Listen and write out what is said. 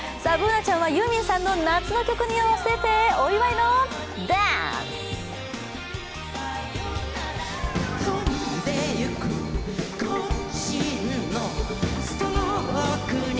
Ｂｏｏｎａちゃんはユーミンさんの夏の曲にのせてお祝いのダンス！